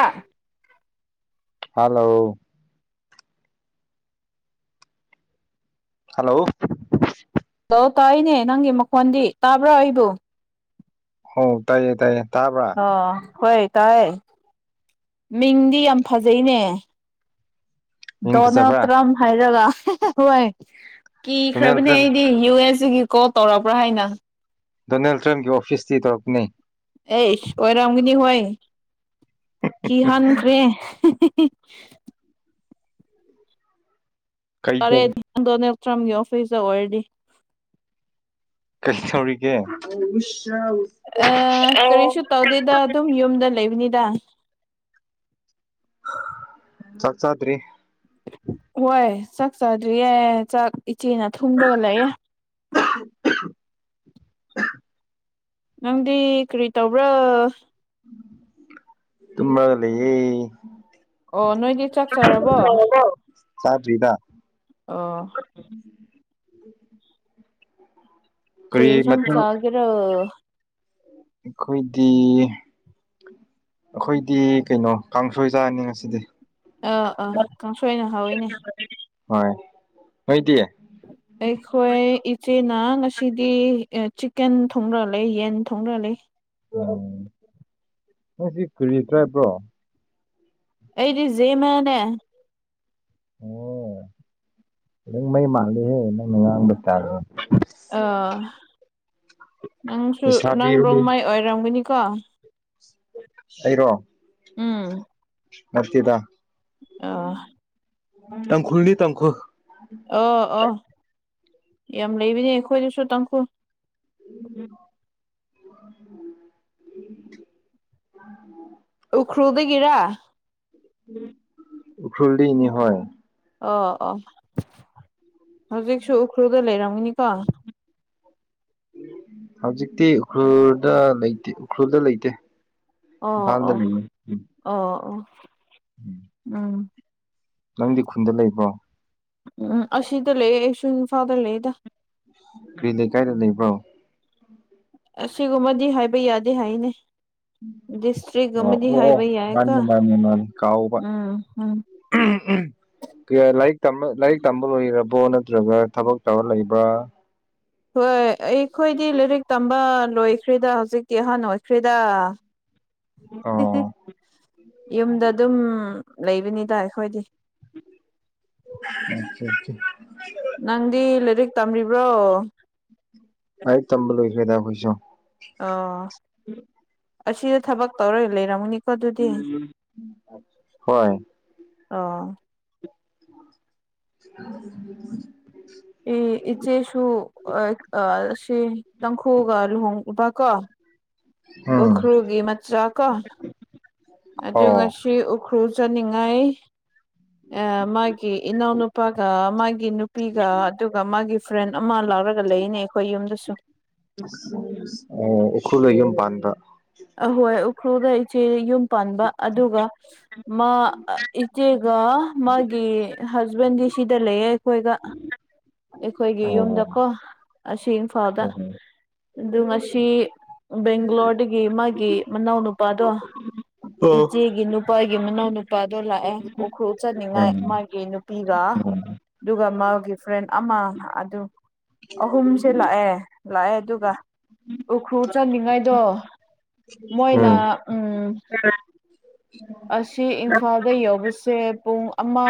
ꯑꯥ hello hello hello ꯇꯥꯏꯌꯦꯅꯦ ꯅꯪꯒꯤ ꯃꯈꯣꯟꯗꯤ ꯇꯥꯕ꯭ꯔꯣ ꯑꯩꯕꯨ ꯍꯣ ꯇꯥꯏꯌꯦ ꯇꯥꯏꯌꯦ ꯇꯥꯕ꯭ꯔꯥ ꯑ ꯍꯣꯏ ꯇꯥꯏꯑꯦ ꯃꯤꯡꯗꯤ ꯌꯥꯝ ꯐꯖꯩꯅꯦ ꯃꯤꯡ ꯗꯣꯅꯥꯜ ꯐꯖꯕ꯭ꯔꯥ ꯇ꯭ꯔꯝ ꯍꯥꯏꯔꯒ ꯍꯣꯏ ꯗꯣꯅꯦꯜ ꯀꯤꯈ꯭ꯔꯕꯅꯦ ꯇ꯭ꯔꯝ ꯑꯩꯗꯤ ꯌꯨ ꯑꯦꯁ ꯁꯤꯒꯤ ꯀꯣꯜ ꯇꯧꯔꯛꯄ꯭ꯔꯥ ꯍꯥꯏꯅ ꯗꯣꯅꯥꯜ ꯇ꯭ꯔꯝꯒꯤ ꯑꯣꯐꯤꯁꯇꯩ ꯇꯧꯔꯛꯄꯅꯦ ꯑꯦꯁ ꯑꯣꯏꯔꯝꯒꯅꯤ ꯍꯣꯏ ꯀꯤꯍꯟꯈ꯭ꯔꯦ꯫ [unintelligible] ꯀꯩ ꯇꯧ ꯇꯔꯦꯗꯤ ꯗꯣꯅꯦꯜ ꯇ꯭ꯔꯝꯒꯤ ꯑꯣꯐꯤꯁꯇ ꯑꯣꯏꯔꯗꯤ꯫ ꯀꯩ ꯇꯧꯔꯤꯒꯦ꯫ ꯑ ꯀꯔꯤꯁꯨ ꯇꯧꯗꯦꯗ ꯑꯗꯨꯝ ꯌꯨꯝꯗ ꯂꯩꯕꯅꯤꯗ꯫ ꯆꯥꯛ ꯆꯥꯗ꯭ꯔꯤ꯫ ꯍꯣꯏ ꯆꯥꯛ ꯆꯥꯗ꯭ꯔꯤꯌꯦ ꯆꯥꯛ ꯏꯆꯦꯅ ꯊꯨꯝꯔꯒ ꯂꯩꯌꯦ꯫ [unintelligible] ꯅꯪꯗꯤ ꯀꯔꯤ ꯇꯧꯕ꯭ꯔꯥ꯫ ꯇꫬꯝꯔꯒ ꯂꯩꯌꯦ꯫ ꯑꯣ ꯅꯣꯏꯗꯤ ꯆꯥꯛ ꯆꯥꯔꯕꯣ꯫ ꯁꯥꯗꯔꯤꯗꯥ꯫ ꯑꫭ꯫ ꯀꯔꯤ ꯌꯦꯁꯥꯡ ꯆꯥꯒꯦꯔꫭ꯫ ꯑꯩꯈꯣꯏꯗꯤ ꯑꯈꯣꯏꯗꯤ ꯀꯩꯅꯣ ꯀꯥꯡꯁꯣꯏ ꯆꯥꯅꯤ ꯉꯁꯤꯗꯤ꯫ ꯑꯥ ꯑꯥ ꯀꯥꯡꯁꯣꯏꯅ ꯍꯥꯎꯋꯤꯅꯦ꯫ ꯍꫭꯏ ꯅꫭꯏꯏꯗꯤ꯫ ꯑꯩꯈꯣꯏ ꯏꯆꯦꯅꯥ ꯉꯁꯤꯗꯤ ꯑꯦ ꯆꯤꯛꯀꯟ ꯊꯣꯡꯔꯒ ꯂꯩ ꯌꯦꯟ ꯊꯣꯡꯔꯒ ꯂꯩ꯫ ꯑꯣ ꯅꯣꯏ ꯁꯤ ꯀꯔꯤ ꯇ꯭ꯔꯥꯏꯕ ꯔꯣ꯫ ꯑꯩꯗꯤ ꯖꯦꯃꯦꯅꯦ꯫ ꯑꯣ ꯖꯦꯡꯃꯩ ꯃꯥꯟꯗꯦꯍꯦ ꯅꯪꯅ ꯉꯥꯡꯕ ꯁ꯭ꯇꯥꯏꯜꯗꫭ꯫ ꯑꯥ ꯅꯪꯁꯨ ꯅꯪ ꯂꯩꯁꯥꯕꯤꯔꯣ ꯔꯣꯡꯃꯥꯏ ꯑꯣꯏꯔꯝꯒꯅꯤꯀꯣ꯫ ꯑꯩꯔꯣ꯫ ꯎꯝ꯫ ꯅꯠꯇꯦꯗ꯫ ꯑ꯫ ꯇꯥꯡꯈꯨꯜꯅꯤ ꯇꯥꯡꯈꯨꯜ꯫ ꯑꯣ ꯑꯣ ꯌꯥꯝ ꯂꯩꯕꯅꯤ ꯑꯩꯈꯣꯏꯗꯁꯨ ꯇꯥꯡꯈꯨꯜ꯫ [inaudible] [inaudible] ꯎꯈ꯭ꯔꯨꯜꯗꯒꯤꯔꯥ꯫ ꯎꯈ꯭ꯔꯨꯜꯗꯩꯅꯤ ꯍꫭꯏ꯫ ꯑꯣ ꯑꯣ ꯍꯧꯖꯤꯛꯁꯨ ꯎꯈ꯭ꯔꯨꯜꯗ ꯂꯩꯔꯝꯒꯅꯤꯀꯣ꯫ ꯍꯧꯖꯤꯛꯇꯤ ꯎꯈ꯭ꯔꯨꯜꯗ ꯂꯩꯇꯦ ꯎꯈ꯭ꯔꯨꯜꯗ ꯂꯩꯇꯦ꯫ ꯑꯣ ꯏꯝꯐꯥꯜꯗ ꯑꯣ ꯂꯩꯌꯦ ꯑꯣ ꯑꯣ ꯎꯝ꯫ ꯅꯪꯗꯤ ꯈꯨꯟꯗ ꯂꯩꯕ꯭ꯔꯣ꯫ ꯎꯝ ꯑꯁꯤꯗ ꯂꯩ ꯑꯩꯁꯨ ꯏꯟꯐꯥ꯫ꯗ ꯂꯩꯗ꯫ ꯀ꯭ꯔꯤ ꯂꯩꯀꯥꯏꯗ ꯂꯩꯕ꯭ꯔꯣ꯫ ꯑꯁꯤꯒꯨꯝꯕꯗꯤ ꯍꯥꯏꯕ ꯌꯥꯗꯦ ꯍꯥꯏꯅꯦ꯫ ꯑꯣ ꯗꯤꯁꯇ꯭ꯔꯤꯒꯨꯝꯕꯗꯤ ꯑꯣ ꯑꯣ ꯍꯥꯏꯏꯕ ꯃꯥꯅꯤ ꯌꯥꯏꯀꫭ ꯃꯥꯅꯤ ꯃꯥꯅꯤ ꯀꯥꯎꯕ ꯎꯝ ꯎꯝ꯫ [unintelligible] ꯀꯌꯥ ꯂꯥꯏꯔꯤꯛ ꯇꯝꯕ ꯂꯥꯏꯔꯤꯛ ꯇꯝꯕ ꯂꯣꯏꯔꯕꯣ ꯅꯠꯇ꯭ꯔꯒ ꯊꯕꯛ ꯇꯧꯔ ꯂꯩꯕ꯭ꯔꯥ꯫ ꯍꯣꯏ ꯑꯩꯈꯣꯏꯗꯤ ꯂꯩꯔꯤꯛ ꯇꯝꯕꯥ ꯂꯣꯏꯈ꯭ꯔꯤꯗ ꯍꯧꯖꯤꯛꯇꯤ ꯑꯍꯥꯟ ꯑꯣꯏꯈ꯭ꯔꯤꯗꯥ꯫ ꯑꯣ꯫ ꯌꯨꯝꯗ ꯑꯗꯨꯝ ꯂꯩꯕꯅꯤ ꯗꯥ ꯑꯈꯣꯏꯗꯤ ꯑ ꯆꯥ ꯆꯥ ꯅꯪꯗꯤ ꯂꯥꯏꯔꯤꯛ ꯇꯝꯔꯤꯕ꯭ꯔꯣ ꯂꯥꯏꯔꯤꯛ ꯇꯝꯕ ꯂꯣꯏꯈ꯭ꯔꯦꯗ ꯑꯈꯣꯏꯁꯨ ꯑꯣ ꯑꯁꯤꯗ ꯊꯕꯛ ꯇꯧꯔ ꯂꯩꯔꯝꯃꯅꯤ ꯀ‌ꯣ ꯑꯗꯨꯗꯤ ꯍꯣꯏ ꯑꯣ [unintelligible] ꯑꯦ ꯏꯆꯦꯁꯨ ꯑꯥ ꯁꯤ ꯇꯥꯡꯈꯨꯜꯒ ꯂꯨꯍꯣꯡꯕ ꯀꯣ ꯎꯝ ꯎꯈ꯭ꯔꯨꯜꯒꯤ ꯃꯆꯥ ꯀꯣ ꯑꯗꯨ ꯑꯣ ꯉꯁꯤ ꯎ ꯈ꯭ꯔꯨꯜꯆꯠꯅꯤꯉꯥꯏ ꯑꯥ ꯃꯥꯒꯤ ꯏꯅꯥꯎꯅꯨꯄꯥꯒ ꯃꯥꯒꯤ ꯅꯨꯄꯤꯒ ꯑꯗꯨꯒ ꯃꯥꯒꯤ ꯐ꯭ꯔꯦꯟ ꯑꯃꯥ ꯂꯥꯎꯔꯒ ꯂꯩꯌ‌ꯦꯅꯦ ꯑꯩꯈꯣꯏ ꯌꯨꯝꯗꯁꯨ ꯑꯣ ꯎꯈ꯭ꯔꯨꯜꯗ ꯌꯨꯝ ꯄꯥꯟꯕ ꯑꯍꯣꯏ ꯎꯈ꯭ꯔꯨꯜꯗ ꯏꯆꯦ ꯌꯨꯝ ꯄꯥꯟꯕ ꯑꯗꯨꯒ ꯃꯥ ꯏꯆꯦꯒ ꯃꯥꯒꯤ ꯍꯁꯕꯦꯟꯗꯤ ꯁꯤꯗ ꯂꯩꯌꯦ ꯑꯩꯈꯣꯏꯒ ꯑꯩꯈꯣꯏꯒꯤ ꯑꯣ ꯌꯨꯝꯗꯀꯣ ꯑꯁꯤ ꯏꯝꯐꯥꯜꯗ ꯑꯣ ꯑꯗꯨ ꯉꯁꯤ ꯕꯦꯡꯒꯂꯣꯔꯗꯒꯤ ꯃꯥꯒꯤ ꯃꯅꯥꯎ ꯅꯨꯄꯥꯗꯣ ꯏꯆꯦꯒꯤ ꯅꯨꯞ ꯄꯥꯒꯤ ꯃꯅꯥꯎ ꯅꯨꯄꯥꯗꯣ ꯂꯥꯛꯑꯦ ꯎꯈ꯭ꯔꯨꯜ ꯆꯥꯠꯅꯤꯉꯥꯏ ꯎꯝ ꯃꯥꯒꯤ ꯅꯨꯄꯤꯒ ꯎꯝ ꯗꯨꯒ ꯃꯥꯒꯤꯐ ꯐ꯭ꯔꯦꯟ ꯑꯃꯥ ꯑꯗꯨ ꯑꯍꯨꯝꯁꯦ ꯂꯥꯛꯑꯦ ꯂꯥꯛꯑꯦ ꯑꯗꯨꯒ ꯎꯈ꯭ꯔꯨꯜ ꯆꯠꯅꯤꯉꯥꯏꯗꯣ ꯃꯣꯏꯅ ꯎꯝ ꯑꯁꯤ ꯏꯝꯐꯥꯜꯗ ꯌꯧꯕꯁꯦ ꯄꯨꯡ ꯑꯃꯥ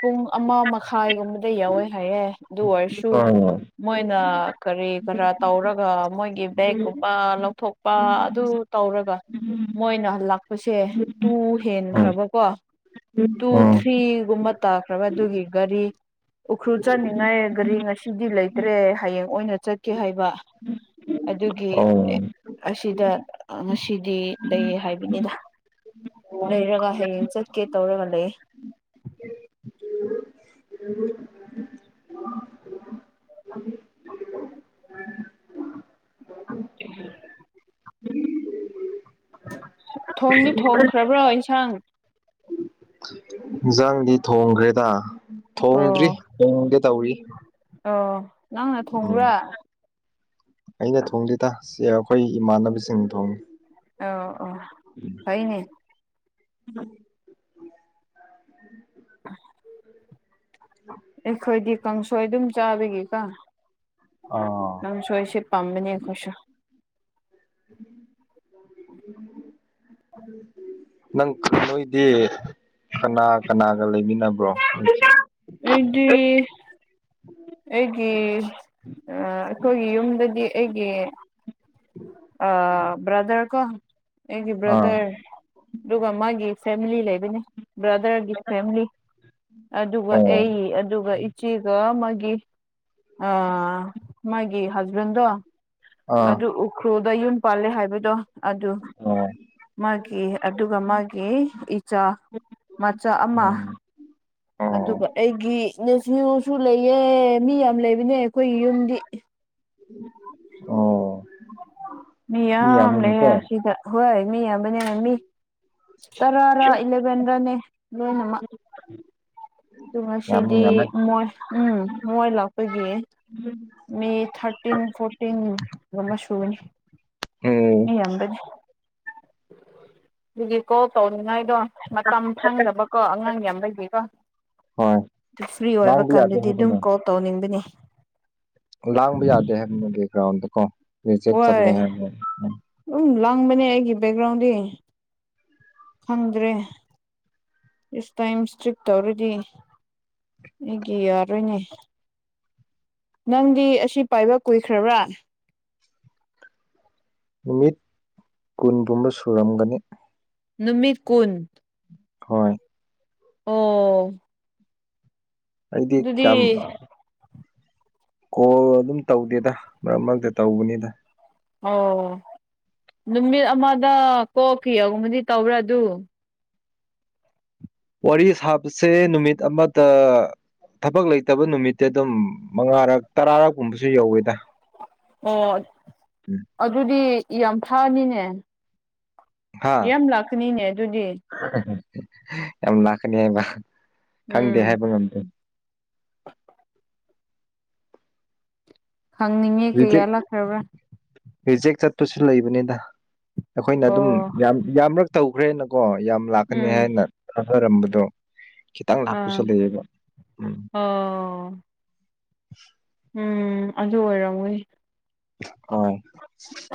ꯄꯨꯡ ꯑꯃꯥ ꯃ ꯈꯥꯏꯒꯨꯝꯕꯗ ꯌꯧꯋꯦ ꯍꯥꯏꯌꯦ ꯑꯗꯨ ꯑꯣꯏꯔꯁꯨ ꯎꯝ ꯃꯣꯏꯅ ꯀꯔꯤ ꯀꯔꯥ ꯇꯧꯔꯒ ꯃꯣꯏꯒꯤ ꯕꯦꯛꯀꯨꯝꯕ ꯂꯧꯊꯣꯛꯄ ꯑꯗꯨ ꯇꯧꯔꯒ ꯃꯣꯏꯅ ꯂꯥꯛꯄꯁꯦ ꯇꯨ ꯎꯝ ꯍꯦꯟꯈ꯭ꯔꯕꯀꯣ ꯇꯨ ꯎꯝ ꯊ꯭ꯔꯤꯒꯨꯝꯕ ꯇꯥꯈ꯭ꯔꯕ ꯑꯗꯨꯒꯤ ꯒꯥꯔꯤ ꯎꯈ꯭ꯔꯨꯜ ꯆꯠꯅꯤꯉꯥꯏ ꯒꯥꯔꯤ ꯉꯁꯤꯗꯤ ꯂꯩꯇ꯭ꯔꯦ ꯍꯌꯦꯡ ꯑꯣꯏꯅ ꯆꯠꯀꯦ ꯍꯥꯏꯕ ꯑꯗꯨꯒꯤ ꯑꯣ ꯑꯁꯤꯗ ꯉꯁꯤꯗꯤ ꯂꯩ ꯍꯥꯏꯕꯅꯤꯗ ꯂꯩꯔꯒ ꯍꯌꯦꯡ ꯆꯠꯀꯦ ꯇꯧꯔꯒ ꯂꯩ [unintelligible] ꯊꯣꯡꯗꯤ ꯊꯣꯡꯈ꯭ꯔꯕ꯭ꯔꯥ ꯏꯟꯁꯥꯡ ꯍꯤꯖꯥꯡꯗꯤ ꯊꯣꯡꯈ꯭ꯔꯦꯗ ꯊꯣꯡꯗ꯭ꯔꯤ ꯑꯣ ꯊꯣꯡꯒꯦ ꯇꯧꯔꯤ ꯑꯣ ꯅꯪꯅ ꯎꯝ ꯊꯣꯡꯕ꯭ꯔꯥ ꯑꯩꯅ ꯊꯣꯡꯗꯦꯗ ꯁ‌ꯦ ꯑꯈꯣꯏ ꯏꯃꯥꯟꯅꯕꯁꯤꯡꯅ ꯊꯣꯡꯉꯤ ꯑ ꯑꯣ ꯐꯩꯅꯦ ꯑꯩꯈꯣꯏꯗꯤ ꯀꯥꯡꯁꯣꯏ ꯑꯗꯨꯝ ꯆꯥꯕꯒꯤꯀ‌ꯣ ꯑꯥ ꯅꯪ ꯁꯣꯏꯁꯦ ꯄꯥꯝꯕꯅꯦ ꯑꯈꯣꯏꯁꯨ [inaudible] ꯅꯪ ꯈ ꯅꯣꯏꯗꯤ ꯀꯅꯥ ꯀꯅꯥꯒ ꯂꯩꯃꯤꯟꯅꯕ꯭ꯔꯣ ꯑꯩꯗꯤ ꯑꯩꯒꯤ ꯑꯥ ꯑꯩꯈꯣꯏꯒꯤ ꯌꯨꯝꯗꯗꯤ ꯑꯩꯒꯤ ꯑꯥ ꯕ꯭ꯔꯗꯔ ꯀꯣ ꯑꯩꯒꯤ ꯑꯥ ꯕ꯭ꯔꯗꯔ ꯑꯗꯨꯒ ꯃꯥꯒꯤ ꯐꯦꯝꯂꯤ ꯂꯩꯕꯅꯤ ꯕ꯭ꯔꯗꯔꯒꯤ ꯐꯦꯝꯂꯤ ꯑꯗꯨꯒ ꯑꯣ ꯑꯩ ꯑꯗꯨꯒ ꯆꯤꯒ ꯃꯥꯒꯤ ꯑ ꯃꯥꯒꯤ ꯍꯖꯕꯦꯟꯗꯣ ꯑꯥ ꯑꯗꯨ ꯎꯈ꯭ꯔꯨꯜꯗ ꯌꯨꯝ ꯄꯥꯜꯂꯦ ꯍꯥꯏꯕꯗꯣ ꯑꯗꯨ ꯑꯣ ꯃꯥꯒꯤ ꯑꯗꯨꯒ ꯃꯥꯒꯤ ꯏꯆꯥ ꯃꯆꯥ ꯑꯃ ꯎꯝ ꯑꯣ ꯑꯗꯨꯒ ꯑꯩꯒꯤ ꯅꯦꯐ꯭ꯌꯨꯁꯨ ꯂꯩꯌꯦ ꯃꯤ ꯌꯥꯝ ꯂꯩꯕꯅꯦ ꯑꯩꯈꯣꯏꯒꯤ ꯌꯨꯝꯗꯤ ꯑꯣ ꯃꯤ ꯌꯥꯝ ꯂꯩꯌꯦ ꯁꯤꯗꯥ ꯍꯣꯏ ꯃꯤ ꯌꯥꯝꯕꯥꯅꯦ ꯌꯥꯃꯤ ꯇꯔꯥꯔꯥ ꯏꯂꯕꯦꯟ꯭ꯔꯅꯦ ꯂꯣꯏꯅꯃꯛ ꯎꯝ [inaudible] ꯎꯝ ꯉꯁꯤꯗꯤ ꯃꯣꯏ ꯎꯝ ꯃꯣꯏ ꯂꯥꯛꯄꯒꯤ ꯃꯤ ꯊꯥꯔꯇꯤꯟ ꯐꯣꯔꯇꯤꯟ ꯒꯨꯝꯕꯥ ꯁꯨꯒꯅꯤ ꯎꯝ ꯃꯤ ꯌꯥꯝꯕꯥꯅꯤ ꯑꯗꯨꯒꯤ ꯀꯣꯜ ꯇꯧꯅꯤꯡꯉꯥꯏꯗꯣ ꯃꯇꯝ ꯐꯪꯗꯕꯀꯣ ꯑꯉꯥꯡ ꯌꯥꯝ ꯂꯩꯕꯩꯀꯣ ꯍꯣꯏ ꯑꯗꯨ ꯐ꯭ꯔꯤ ꯑꯣꯏꯕ ꯂꯥꯡꯕ ꯌꯥꯗꯦ ꯀꯥꯟꯗꯗꯤ ꯑꯗꯨꯝ ꯍꯥꯏꯕꯅꯦ ꯀꯣꯜ ꯇꯧꯅꯤꯡꯕꯅꯦ ꯂꯥꯡꯕ ꯌꯥꯗꯦ ꯍꯥꯏꯕꯅꯦ ꯒ꯭ꯔꯥꯎꯟꯗꯀꯣ ꯔꯤꯖꯦꯛ ꯍꯣꯏ ꯆꯠꯂꯦ ꯍꯥꯏꯕꯅꯦ ꯑꯗꯨꯝ ꯂꯥꯡꯕꯅꯦ ꯑꯩꯒꯤ ꯕꯦꯛꯒ꯭ꯔꯥꯎꯟꯗꯤ ꯈꯪꯗ꯭ꯔꯦ ꯏꯁ ꯇꯥꯏꯝ ꯏꯁꯇ꯭ꯔꯤꯛ ꯇꯧꯔꯥꯗꯤ ꯑꯩꯒꯤ ꯌꯥꯔꯣꯏꯅꯦ ꯅꯪꯗꯤ ꯑꯁꯤ ꯄꯥꯏꯕ ꯀꯨꯏꯈ꯭ꯔꯕ꯭ꯔꯥ ꯅꯨꯃꯤꯠ ꯀꯨꯟꯒꯨꯝꯕ ꯁꯨꯔꯝꯒꯅꯤ ꯅꯨꯃꯤꯠ ꯀꯨꯟ ꯍꯣꯏ ꯑꯣ ꯑꯩꯗꯤ ꯑꯗꯨꯗꯤ ꯀꯌꯥꯝ ꯀꯣꯜ ꯑꯗꯨꯝ ꯇꯧꯗꯦꯗ ꯃꯔꯛ ꯃꯔꯛꯇ ꯇꯧꯕꯅꯤꯗ ꯑꯣ ꯅꯨꯃꯤꯠ ꯑꯃꯗ ꯀꯣꯜ ꯀꯌꯥꯒꯨꯝꯕꯗꯤ ꯇꯧꯕ꯭ꯔꯥ ꯑꯗꯨ ꯋꯥꯔꯤ ꯁꯥꯕꯁꯦ ꯅꯨꯃꯤꯠ ꯑꯃꯗ ꯊꯕꯛ ꯂꯩꯇꯕ ꯅꯨꯃꯤꯠꯇꯤ ꯑꯗꯨꯝ ꯃꯉꯥꯔꯛ ꯇꯔꯥꯔꯛꯀꯨꯝꯕꯁꯨ ꯌꯧꯋꯦꯗ ꯑꯣ ꯎꯝ ꯑꯗꯨꯗꯤ ꯌꯥꯝ ꯐꯅꯤꯅꯦ ꯍꯥ ꯌꯥꯝ ꯂꯥꯛꯀꯅꯤꯅꯦ ꯑꯗꯨꯗꯤ ꯌꯥꯝ ꯂꯥꯛꯀꯅꯤ ꯍꯥꯏꯕ ꯈꯪꯗꯦ ꯎꯝ ꯍꯥꯏꯕ ꯉꯝꯗꯦ ꯍꯪꯅꯤꯡꯉꯦ ꯀꯩꯌꯥ ꯔꯤꯖꯦꯛ ꯂꯥꯛꯈ꯭ꯔꯕ꯭ꯔꯥ ꯔꯤꯖꯦꯛ ꯆꯠꯄꯁꯨ ꯂꯩꯕꯅꯤꯗ ꯑꯩꯈꯣꯏꯅ ꯑꯗꯨꯝ ꯑꯣ ꯌꯥꯝ ꯌꯥꯝꯔꯛ ꯇꯧ ꯔꯦꯅꯀꯣ ꯌꯥꯝ ꯂꯥꯛꯀꯅꯤ ꯎꯝ ꯍꯥꯏꯅ ꯊꯥꯖꯔꯝꯕꯗꯣ ꯈꯤꯇꯪ ꯂꯥꯛꯄꯁꯨ ꯑꯥ ꯂꯩꯌꯦꯕꯥ ꯎꯝ ꯑꯣ ꯎꯝ ꯑꯗꯨ ꯑꯣꯏꯔꯝꯒꯅꯤ ꯍꯣꯏ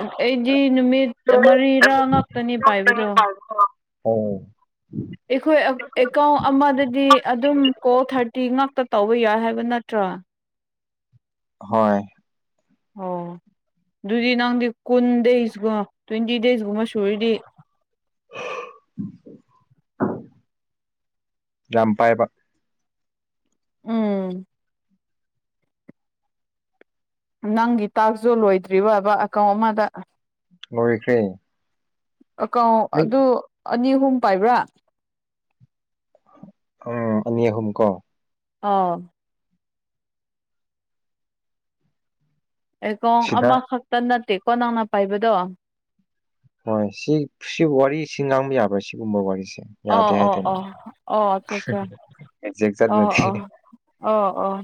ꯑꯩꯗꯤ ꯅꯨꯃꯤꯠ ꯃꯔꯤꯔꯥ ꯉꯥꯛꯇꯅꯤ ꯄꯥꯏꯕꯗꯣ ꯑ‌ꯣ ꯑꯩꯈꯣꯏ ꯑꯦꯛ ꯑꯦꯀꯥꯎꯟ ꯑꯃꯗꯗꯤ ꯑꯗꯨꯝ ꯀꯣꯜ ꯊꯥꯔꯇꯤ ꯉꯥꯛꯇ ꯇꯧꯕ ꯌꯥꯏ ꯍꯥꯏꯕ ꯅꯠꯇ꯭ꯔꯣ ꯍꯣꯏ ꯑꯣ ꯑꯗꯨꯗꯤ ꯅꯪꯗꯤ ꯀꯨꯟ ꯗꯦꯖꯀ ꯇ꯭ꯋꯦꯟꯇꯤ ꯗꯦꯁꯒꯨꯝꯕ ꯁꯨꯔꯗꯤ ꯌꯥꯝ ꯄꯥꯏꯕ ꯎꯝ ꯅꯪꯒꯤ ꯇꯥꯛꯁꯨꯨ ꯂꯣꯏꯗ꯭ꯔꯤꯕꯕꯥ ꯑꯦꯛꯀꯥꯎꯟ ꯑꯃꯗ ꯂꯣꯏꯈ꯭ꯔꯦ ꯑꯦꯀꯥꯎ ꯑꯩ ꯑꯗꯨ ꯑꯅꯤ ꯑꯍꯨꯝ ꯄꯥꯏꯕ꯭ꯔꯥ ꯎꯝ ꯑꯅꯤ ꯑꯍꯨꯝ ꯀꯣ ꯑꯥ ꯑꯦꯛꯀꯥꯎꯟ ꯁꯤꯗ ꯑꯃꯈꯛꯇꯥ ꯅꯠꯇꯦꯀꯣ ꯅꯪꯅ ꯄꯥꯏꯕꯗꯣ ꯍꯣꯏ ꯁꯤ ꯁꯤ ꯋꯥꯔꯤꯁꯤ ꯉꯥꯡꯕ ꯌꯥꯔꫭꯏ ꯁꯤꯒꯨꯝꯕ ꯋꯥꯔꯤꯁꯦ ꯌꯥꯗꯦ ꯑꯣ ꯑꯣ ꯍꯥꯏꯇꯥꯅꯦ ꯑꯣ ꯑꯣ ꯑꯆꯥ ꯆꯥ ꯑꯦꯛꯖꯦꯛ ꯑꯣ ꯆꯠꯂꯗꯤ ꯑꫭ ꯑꯣ ꯑꯣ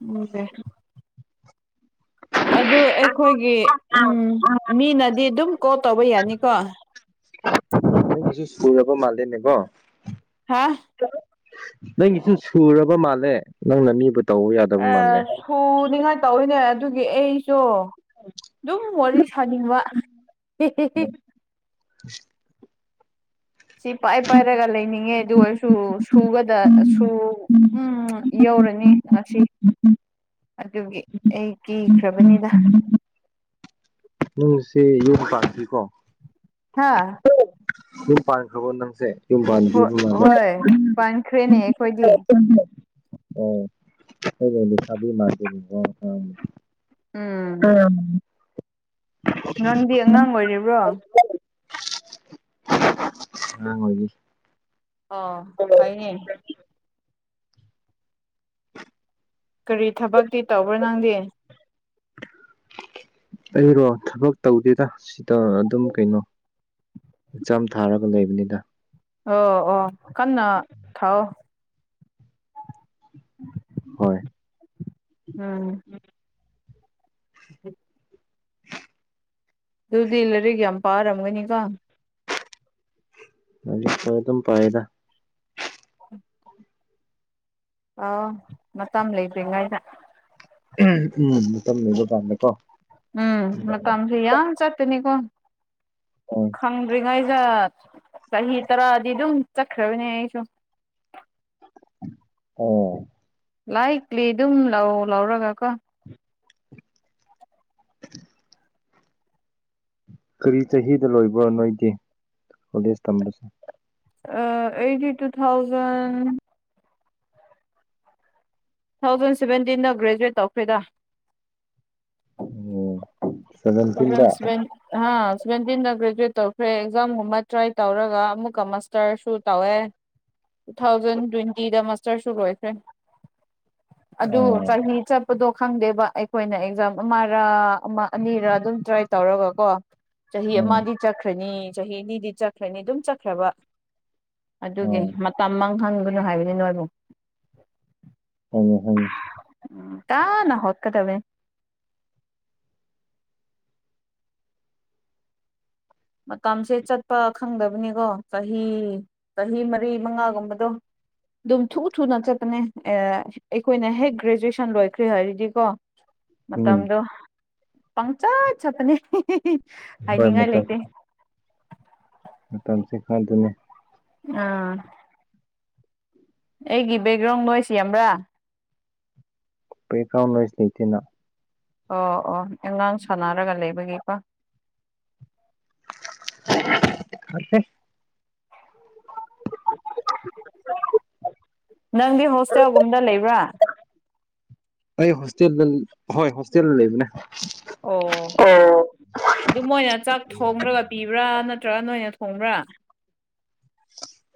[unintelligible] ꯑꯗꯨ ꯑꯩꯈꯣꯏꯒꯤ ꯎꯝ ꯃꯤꯅꯗꯤ ꯑꯗꯨꯝ ꯀꯣꯜ ꯇꯧꯕ ꯌꯥꯅꯤꯀꯣ ꯅꯣꯏꯒꯤꯁꯤ ꯁꯨꯔꯕꯥ ꯃꯥꯜꯂꯦꯅꯦꯀꯣ ꯍꯥꯥ ꯅꯪꯒꯤ ꯁꯨ ꯁꯨꯔꯕꯥ ꯃꯥꯜꯂꯦ ꯅꯪꯅ ꯃꯤꯕꯨꯠ ꯑꯥ ꯁꯨꯅꯤꯉꯥꯏ ꯇꯧꯏꯋꯤꯅꯦ ꯑꯗꯨꯒꯤ ꯑꯩ ꯑꯗꫭ ꯑꯗꯨꯝ ꯋꯥꯔꯤ ꯁꯥꯅꯤꯡꯕ [unintelligible] ꯁꯤ ꯄꯥꯏ ꯄꯥꯏꯔꯒ ꯂꯩꯅꯤꯡꯉꯦ ꯑꯗꯨ ꯑꯣꯏꯔꯁꯨ ꯁꯨꯒꯗꯥ ꯁꯨ ꯎꯝ ꯌꯧꯔꯅꯤ ꯉꯁꯤ ꯑꯗꯨꯒꯤ ꯑꯩ ꯀꯤꯈ꯭ꯔꯕꯅꯤꯗ ꯅꯪꯁꯦ ꯌꯨꯝ ꯄꯥꯟꯗ꯭ꯔꯤꯀꯣ ꯍꯥꯥ [unintelligible] ꯌꯨꯝ ꯄꯥꯟꯈ꯭ꯔꯕꯣ ꯅꯪꯁꯦ ꯌꯨꯝ ꯍꯣ ꯄꯥꯟꯗ꯭ꯔꯤꯕ ꯃꯥꯜꯂꯦ ꯍꯣꯏ ꯄꯥꯟꯈ꯭ꯔꯦꯅꯦ ꯑꯩꯈꯣꯏꯗꯤ ꯑꯣ ꯎꯝ [unintelligible] ꯅꯪꯗꯤ ꯑꯉꯥꯡ ꯑꯣꯏꯔꯤꯕ꯭ꯔꯣ ꯑꯉꯥꯡ ꯑꯣꯏꯔꯤ ꯑꯣ ꯐꯩꯅꯦ ꯀꯔꯤ ꯊꯕꯛꯇꯤ ꯇꯧꯕ꯭ꯔꯥ ꯅꯪꯗꯤ [unintelligible] ꯑꯩꯔꯣ ꯊꯕꯛ ꯇꯧꯗꯦꯗ ꯁꯤꯗ ꯑꯗꯨꯝ ꯀꯩꯅꯣ ꯑꯦꯛꯖꯥꯝ ꯊꯥꯔꯒ ꯂꯩꯕꯅꯤꯗ ꯑꯣ ꯑꯣ ꯀꯟꯅꯥ ꯊꯥꯎ [unintelligible] ꯍꯣꯏ ꯎꯝ [unintelligible] [unintelligible] ꯑꯗꯨꯗꯤ ꯂꯥꯏꯔꯤꯛ ꯌꯥꯝ ꯄꯥꯔꯝꯒꯅꯤꯀꯣ ꯍꯧꯖꯤꯛꯁꯨ ꯑꯗꯨꯝ ꯄꯥꯏꯌ‌ꯦꯗꯥ ꯑꫭ ꯃꯇꯝ ꯂꯩꯈ꯭ꯔꯤꯉꯩꯗ ꯎꯝ ꯃꯇꯝ ꯂꯩꯕ ꯀꯥꯟꯗ ꯀꯣ ꯎꯝ ꯃꯇꯝꯁꯤ ꯌꯥꯝ ꯆꯠꯄꯅꯤꯀꯣ ꯎꯝ ꯐꯪꯗ꯭ꯔꯤꯉꯩꯗ ꯆꯍꯤ ꯇꯔꯥꯗꯤ ꯑꯗꯨꯝ ꯆꯠꯈ꯭ꯔꯕꯅꯦ ꯑꯩꯁꯨ ꯑꯣ ꯂꯥꯏꯛꯂꯤ ꯑꯗꯨꯝ ꯂꯧ ꯂꯧꯔꯒ ꯀꯣ ꯀꯔꯤ ꯆꯍꯤꯗ ꯂꯣꯏꯕ꯭ꯔꯣ ꯅꯣꯏꯒꯤ ꯀꯣꯂꯦꯖ ꯇꯝꯕꯁꯦ ꯑ ꯑꯩꯗꯤ ꯇꯨ ꯊꯥꯎꯖꯟ ꯇꯨ ꯊꯥꯎꯖꯟ ꯁꯚꯦꯟꯇꯤꯟꯗ ꯒ꯭ꯔꯦꯖꯨꯋꯦꯠ ꯇꯧꯈ꯭ꯔꯦꯗ ꯑꯣ ꯁꯚꯦꯟꯇꯤꯟꯗ [unintelligible] ꯍꯥ ꯁꯚꯦꯟꯇꯤꯟꯗ ꯒ꯭ꯔꯦꯖꯨꯋꯦꯠ ꯇꯧꯈ꯭ꯔꯦ ꯑꯦꯛꯖꯥꯝꯒꯨꯝꯕ ꯇ꯭ꯔꯥꯏ ꯇꯧꯔꯒ ꯑꯃꯨꯛꯀ ꯃꯥꯁ ꯇꯔꯁꯨ ꯇꯧꯋꯦ ꯇꯨ ꯊꯥꯎꯖꯟ ꯇꯣꯏꯟꯇꯤꯗ ꯃꯥꯁꯇꯔꯁꯨ ꯂꯣꯏꯈ꯭ꯔꯦ ꯑꯗꯨ ꯑꯣ ꯆꯍꯤ ꯆꯠꯄꯗꯣ ꯈꯪꯗꯦꯕ ꯑꯩꯈꯣꯏꯅ ꯑꯦꯛꯖꯥꯝ ꯑꯃꯔ ꯑꯃ ꯑꯅꯤꯔ ꯑꯗꯨꯝ ꯇ꯭ꯔꯥꯏ ꯇꯧꯔꯒ ꯀꯣ ꯆꯍꯤ ꯎꯝ ꯑꯃꯗꯤ ꯆꯠꯈ꯭ꯔꯅꯤ ꯆꯍꯤ ꯑꯅꯤꯗꯤ ꯆꯠꯈ꯭ꯔꯅꯤ ꯑꯗꯨꯝ ꯆꯠꯈ꯭ꯔꯕ ꯑꯗꯨꯒꯤ ꯑꯣ ꯃꯇꯝ ꯃꯥꯡꯍꯟꯒꯅꯨ ꯍꯥꯏꯕꯅꯤ ꯅꯣꯏꯕꯨ ꯍꯣꯏꯅꯦ ꯍꯣꯏꯅꯦ ꯎꯝ ꯇꯥꯅ ꯍꯣꯠꯀꯗꯕꯩ ꯃꯇꯝꯁꯦ ꯆꯠꯄ ꯈꯪꯗꯕꯅꯤꯀꯣ ꯆꯍꯤ ꯆꯍꯤ ꯃꯔꯤ ꯃꯉꯥꯒꯨꯝꯕꯗꯣ ꯑꯗꯨꯝ ꯊꯨ ꯊꯨꯅ ꯆꯠꯄꯅꯦ ꯑꯦ ꯑꯩꯈꯣꯏꯅ ꯍꯦꯛ ꯒ꯭ꯔꯦꯖꯨꯋꯦꯁꯟ ꯂꯣꯏꯈ꯭ꯔꯦ ꯍꯥꯏꯔꯗꯤ ꯀꯣ ꯎꯝ ꯃꯇꯝꯗꯣ ꯄꯪꯆꯠ ꯆꯠꯄꯅꯤ ꯍꯣꯏ ꯍꯥꯏꯅꯤꯡꯉꯥꯏ ꯃꯇꯝ ꯂꯩꯇꯦ ꯃꯇꯝꯁꯦ ꯀꯥꯏꯗꯦꯅꯦ ꯑꯥ ꯑꯩꯒꯤ ꯕꯦꯛꯒ꯭ꯔꯥꯎꯟ ꯅꯣꯏꯁ ꯌꯥꯝꯕ꯭ꯔꯥ ꯕꯦꯛꯒ꯭ꯔꯥꯎꯟ ꯅꯣꯏꯁ ꯂꯩꯇꯦꯅ ꯑꯣ ꯑꯣ ꯑꯉꯥꯡ ꯁꯥꯟꯅꯔꯒ ꯂꯩꯕꯒꯤꯀꯣ [unintelligible] ꯅꯪꯗꯤ ꯍꯣꯁꯇꯦꯜꯒꯨꯝꯗ ꯂꯩꯕ꯭ꯔꯥ ꯑꯩ ꯍꯣꯁꯇꯦꯜꯗ ꯍꯣꯏ ꯍꯣꯁꯇꯦꯜ ꯂꯩꯕꯅꯦ ꯑꯣ ꯑꯣ ꯑꯗꯨ ꯃꯣꯏꯅ ꯆꯥꯛ ꯊꯣꯡꯔꯒ ꯄꯤꯕ꯭ꯔꯥ ꯅꯠꯇ꯭ꯔꯒ ꯅꯣꯏꯅ ꯊꯣꯡꯕ꯭ꯔꯥ